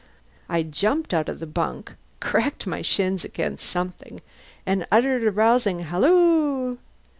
I jumped out of the bunk, cracked my shins against something, and uttered a rousing halloo.